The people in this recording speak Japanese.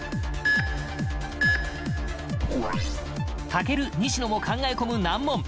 健、西野も考え込む難問。